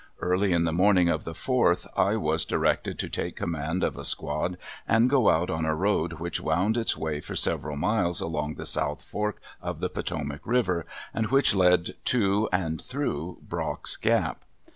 Early on the morning of the 4th I was directed to take command of a squad and go out on a road which wound its way for several miles along the south fork of the Potomac river and which led to and through Brock's Gap.